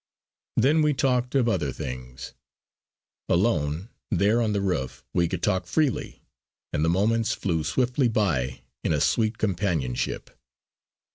Then we talked of other things. Alone there on the roof we could talk freely; and the moments flew swiftly by in a sweet companionship.